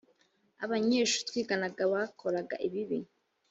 abanyeshuri twiganaga bakoraga ibibi